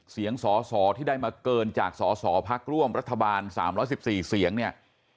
เสียงสอที่ได้มาเกินจากสสภรรธ๓๑๔เสียงเนี่ย